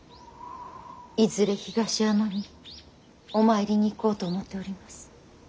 いずれ東山にお参りに行こうと思っております。